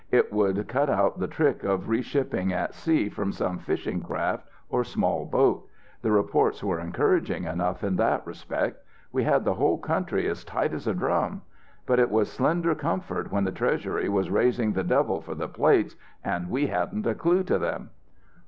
It would cut out the trick of reshipping at sea from some fishing craft or small boat. The reports were encouraging enough in that respect. We had the whole country as tight as a drum. But it was slender comfort when the Treasury was raising the devil for the plates and we hadn't a clue to them."